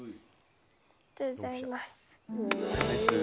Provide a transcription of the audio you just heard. ありがとうございます。